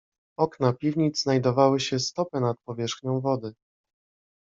"Okna piwnic znajdowały się stopę nad powierzchnią wody."